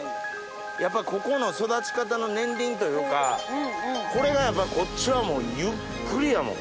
やっぱここの育ち方の年輪というかこれがやっぱこっちはゆっくりやもん。